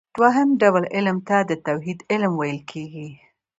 دوهم ډول علم ته د توحيد علم ويل کېږي .